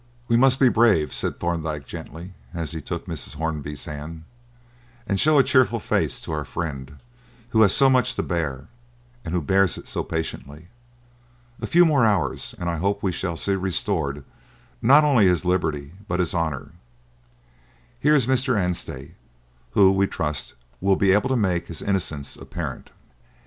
"We must be brave," said Thorndyke gently, as he took Mrs. Hornby's hand, "and show a cheerful face to our friend who has so much to bear and who bears it so patiently. A few more hours, and I hope we shall see restored, not only his liberty, but his honour. Here is Mr. Anstey, who, we trust, will be able to make his innocence apparent."